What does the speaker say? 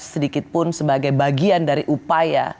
sedikitpun sebagai bagian dari upaya